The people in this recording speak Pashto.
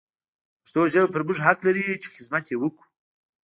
پښتو ژبه پر موږ حق لري چې حدمت يې وکړو.